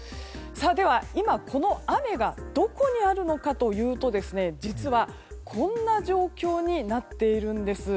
では今、この雨がどこにあるのかというと実はこんな状況になっているんです。